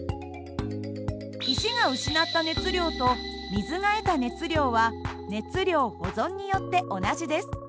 石が失った熱量と水が得た熱量は熱量保存によって同じです。